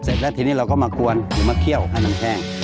เสร็จแล้วทีนี้เราก็มากวนหรือมาเคี่ยวให้มันแห้ง